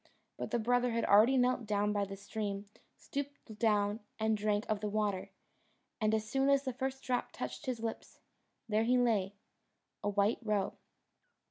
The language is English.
But the brother had already knelt down by the stream, stooped down, and drank of the water; and as soon as the first drop touched his lips, there he lay a white roe.